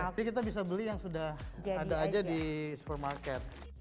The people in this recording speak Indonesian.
jadi kita bisa beli yang sudah ada aja di supermarket